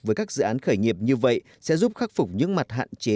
với các dự án khởi nghiệp như vậy sẽ giúp khắc phục những mặt hạn chế